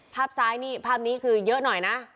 ภาพซ้ายนี่ภาพนี้คือเยอะหน่อยนะ